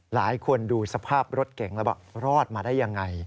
หลายคนดูสภาพรถเก่งแล้วว่ารอดมาได้ยังไง